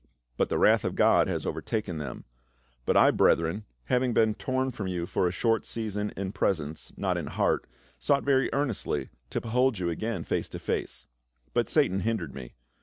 But the wrath of God has overtaken them. " But I, brethren, having been torn from you for a short season in presence, not in heart, sought ver)' earnestly to behold you again face to face But Satan hindered me.